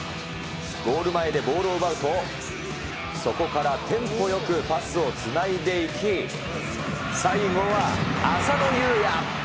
ゴール前でボールを奪うと、そこからテンポよくパスをつないでいき、最後は浅野雄也。